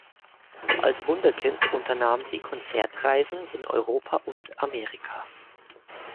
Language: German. Als Wunderkind unternahm sie Konzertreisen in Europa und Amerika.